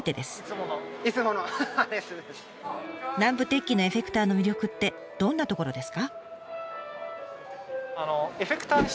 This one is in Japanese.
南部鉄器のエフェクターの魅力ってどんなところですか？